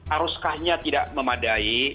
aruskahnya tidak memadai